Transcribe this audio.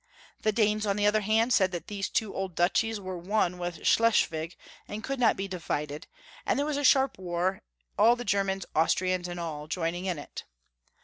The Danes on the other hand said that these two ducliies were one with Schleswig, and could not be divided, and there was a sharp war, all the Germans, Austrians and all, joining in it.